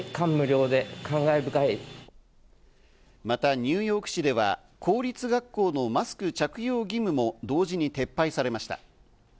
またニューヨーク市では公立学校のマスク着用義務も同時に撤廃されました。